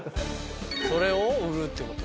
それを売るってこと？